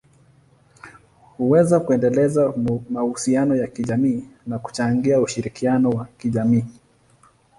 huweza kuendeleza mahusiano ya kijamii na kuchangia ushirikiano wa kijamii.